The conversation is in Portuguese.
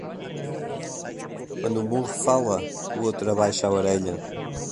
Quando um burro fala, o outro abaixa a orelha